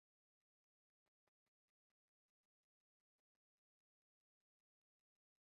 Kontraŭ malluma ĉielo Hue ridetis al mi.